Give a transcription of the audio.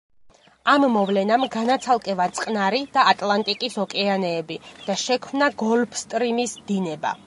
ამ მოვლენამ განაცალკევა წყნარი და ატლანტიკის ოკეანეები და შექმნა გოლფსტრიმის დინება.